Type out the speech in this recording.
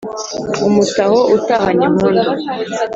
umutaho utahanye impundu